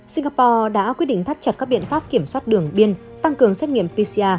singapore đã quyết định thắt chặt các biện pháp kiểm soát đường biên tăng cường xét nghiệm pcr